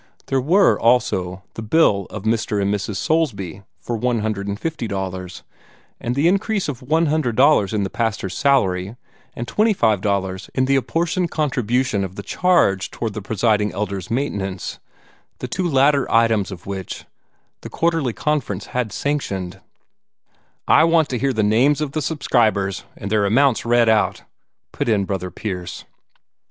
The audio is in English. There were, also, the bill of Mr. and Mrs. Soulsby for $150, and the increases of $100 in the pastor's salary and $25 in the apportioned contribution of the charge toward the Presiding Elder's maintenance, the two latter items of which the Quarterly Conference had sanctioned. "I want to hear the names of the subscribers and their amounts read out," put in Brother Pierce.